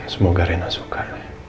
semoga rena suka